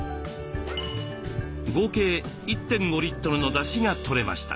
合計１．５リットルのだしがとれました。